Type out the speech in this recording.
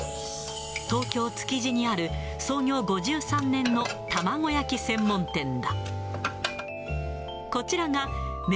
東京・築地にある創業５３年の玉子焼専門店だ。